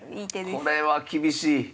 これは厳しい。